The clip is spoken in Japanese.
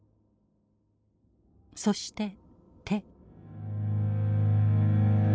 そして手。